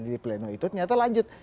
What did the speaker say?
di pleno itu ternyata lanjut